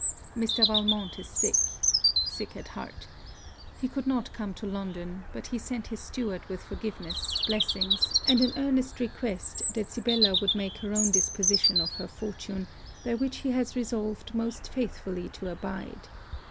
Mr. Valmont is sick, sick at heart. He could not come to London; but he sent his steward with forgiveness, blessings, and an earnest request that Sibella would make her own disposition of her fortune, by which he has resolved most faithfully to abide.